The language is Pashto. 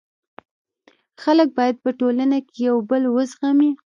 خلک باید په ټولنه کي یو بل و زغمي.